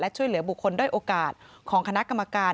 ช่วยเหลือบุคคลด้อยโอกาสของคณะกรรมการ